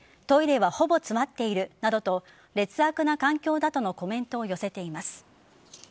トイレはほぼ詰まっているなどと劣悪な環境だとのコメントを寄せています。